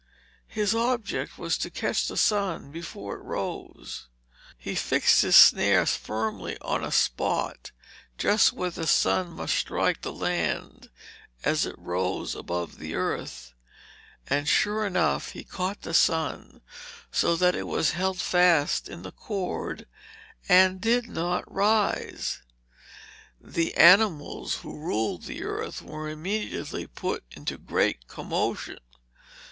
His object was to catch the sun before it rose. He fixed his snare firmly on a spot just where the sun must strike the land as it rose above the earth; and sure enough, he caught the sun, so that it was held fast in the cord and did not rise. The animals who ruled the earth were immediately put into great commotion.